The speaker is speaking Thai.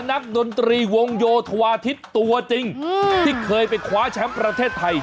ดนตรีวงโยธวาทิศตัวจริงที่เคยไปคว้าแชมป์ประเทศไทย